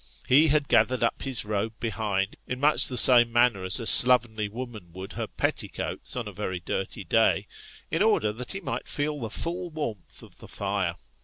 He had gathered up his robe behind, in much the same manner as a slovenly woman would her petticoats on a very dirty day, in order that he might feel the full warmth of the fire.